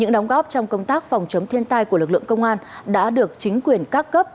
những đóng góp trong công tác phòng chống thiên tai của lực lượng công an đã được chính quyền các cấp